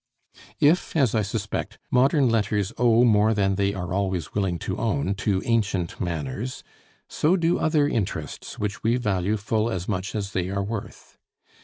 If, as I suspect, modern letters owe more than they are always willing to own to ancient manners, so do other interests which we value full as much as they are worth.